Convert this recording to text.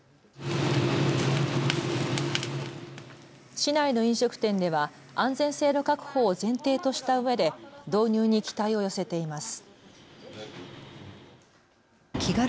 市内の飲食店では安全性の確保を前提としたうえで導入に期待を寄せています。